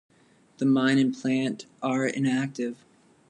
The mine and plant are inactive.